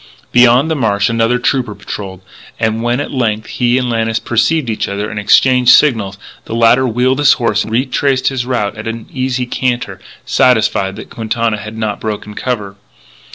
Beyond the marsh another trooper patrolled; and when at length he and Lannis perceived each other and exchanged signals, the latter wheeled his horse and retraced his route at an easy canter, satisfied that Quintana had not yet broken cover.